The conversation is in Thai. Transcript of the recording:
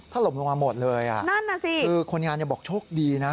ถล่มลงมาหมดเลยอ่ะนั่นน่ะสิคือคนงานบอกโชคดีนะ